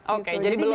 oke jadi belum ya